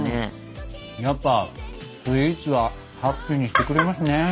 やっぱスイーツはハッピーにしてくれますね。